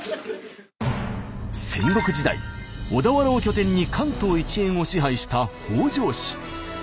戦国時代小田原を拠点に関東一円を支配した北条氏。